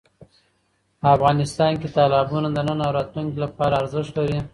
افغانستان کې تالابونه د نن او راتلونکي لپاره ارزښت لري.